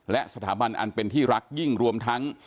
และสถาบันอันเป็นที่รักยิ่งรวมทั้ง